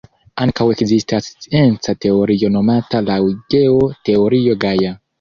Ankaŭ ekzistas scienca teorio nomata laŭ Geo, Teorio Gaja.